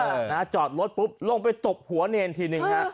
นะฮะจอดรถปุ๊บลงไปตบหัวเนรทีหนึ่งฮะ